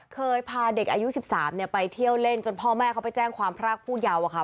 เคยพาเด็กอายุ๑๓ไปเที่ยวเล่นจนพ่อแม่เขาไปแจ้งความพรากผู้เยาว์อะค่ะ